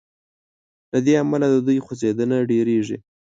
له دې امله د دوی خوځیدنه ډیریږي.